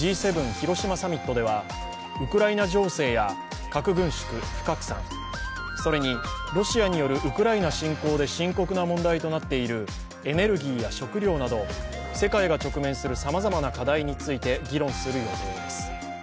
広島サミットではウクライナ情勢や核軍縮・不拡散、それにロシアによるウクライナ侵攻で深刻な問題となっているエネルギーや食料など、世界が直面するさまざまな課題について議論する予定です。